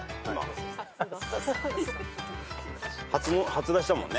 初出しだもんね。